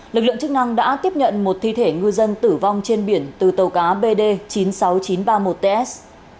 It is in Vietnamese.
lực lượng chức năng đã tiếp nhận một thi thể ngư dân tử vong trên biển từ tàu cá bd chín mươi sáu nghìn chín trăm ba mươi một ts